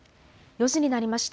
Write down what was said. ４時になりました。